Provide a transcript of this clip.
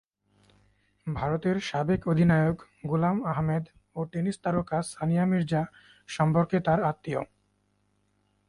ভারতের সাবেক অধিনায়ক গুলাম আহমেদ ও টেনিস তারকা সানিয়া মির্জা সম্পর্কে তার আত্মীয়।